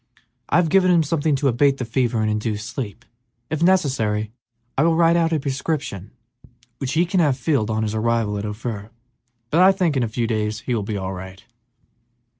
I have given him something to abate the fever and induce sleep. If necessary, I will write out a prescription which he can have filled on his arrival at Ophir, but I think in a few days he will be all right."